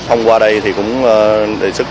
thông qua đây thì cũng đề xuất